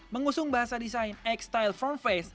mengusung bahasa desain x style front face